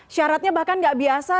syaratnya bahkan nggak biasa